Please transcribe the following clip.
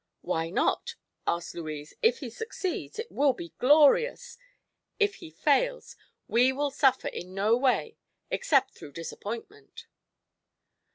"Why not?" asked Louise. "If he succeeds, it will be glorious. If he fails, we will suffer in no way except through disappointment."